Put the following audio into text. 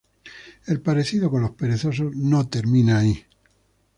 El parecido con los perezosos no termina ahí.